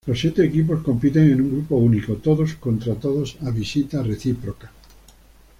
Los siete equipos compiten en un grupo único, todos contra todos a visita reciproca.